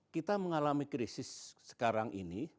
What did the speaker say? kita mengalami krisis sekarang ini